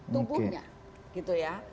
tubuhnya gitu ya